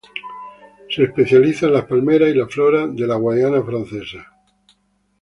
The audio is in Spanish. Se especializa en las palmeras y la flora de la Guayana Francesa.